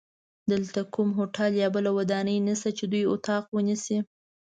دلته کوم هوټل یا بله ودانۍ نشته چې دوی اتاق ونیسي.